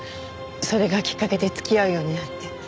それがきっかけで付き合うようになって。